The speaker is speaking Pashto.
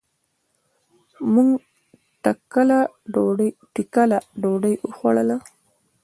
مونږ ټکله ډوډي وخوړله.